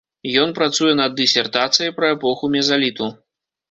Ён працуе над дысертацыяй пра эпоху мезаліту.